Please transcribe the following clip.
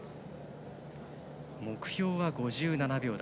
目標は５７秒台。